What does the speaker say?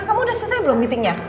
kamu udah selesai belum meetingnya